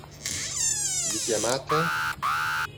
Vi chiamate?